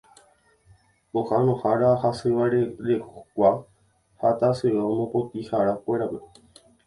Pohãnohára, hasyvarerekua ha tasyo mopotĩharakuéra